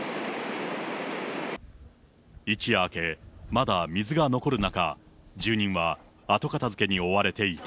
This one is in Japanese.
一夜明け、まだ水が残る中、住人は後片づけに追われていた。